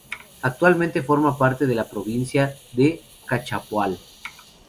Actualmente forma parte de la Provincia de Cachapoal.